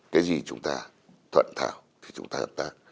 cái gì chúng ta thuận thảo thì chúng ta hợp tác